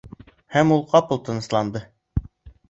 Һәм ул ҡапыл тынысланды: